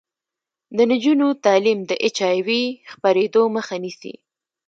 د نجونو تعلیم د اچ آی وي خپریدو مخه نیسي.